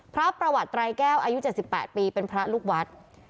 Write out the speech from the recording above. พระประวัติไตรแก้วอายุ๗๘ปีเป็นพระลูกวัด